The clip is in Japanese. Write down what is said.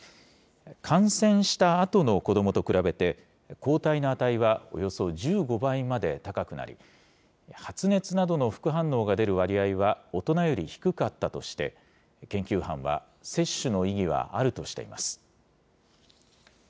感染したあとの子どもと比べて、抗体の値はおよそ１５倍まで高くなり、発熱などの副反応が出る割合は大人より低かったとして、研究班は接種の意義はあるとしています。